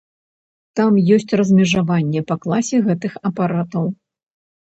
Там ёсць размежаванне па класе гэтых апаратаў.